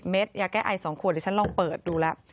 เม็ดยาแก้ไอ๒ขวดเดี๋ยวฉันลองเปิดดูแล้ว